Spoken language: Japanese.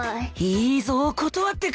いいぞ断ってくれ！